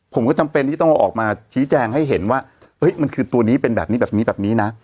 ผมก็จำเป็นที่ต้องออกมาชี้แจงให้เห็นว่าเฮ้ยมันคือตัวนี้เป็นแบบนี้แบบนี้แบบนี้นะ